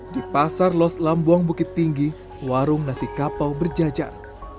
di pasar los lambuang bukit tinggi warung nasi kapau berjajar